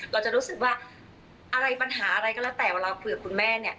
เราจะรู้สึกว่าอะไรปัญหาอะไรก็แล้วแต่เวลาคุยกับคุณแม่เนี่ย